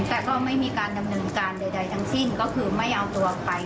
แต่ก็ไม่มีการดำเนินการใดทั้งสิ้นก็คือไม่เอาตัวไป